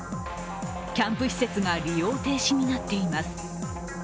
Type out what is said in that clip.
キャンプ施設が利用停止になっています。